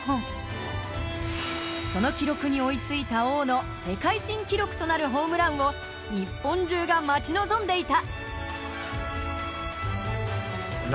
その記録に追い付いた王の世界新記録となるホームランを日本中が待ち望んでいた。